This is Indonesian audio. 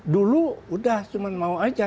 dulu sudah cuma mau saja